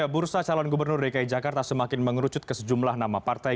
bursa calon gubernur dki jakarta semakin mengerucut ke sejumlah nama partai